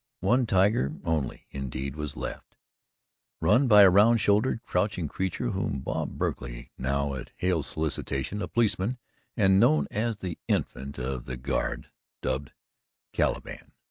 One "tiger" only indeed was left, run by a round shouldered crouching creature whom Bob Berkley now at Hale's solicitation a policeman and known as the Infant of the Guard dubbed Caliban.